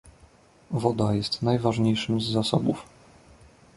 Woda jest najważniejszym z zasobów